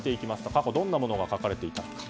過去どんなものが書かれていたのか。